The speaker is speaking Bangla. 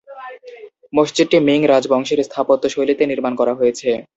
মসজিদটি মিং রাজবংশের স্থাপত্য শৈলীতে নির্মাণ করা হয়েছে।